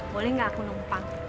boleh gak aku numpang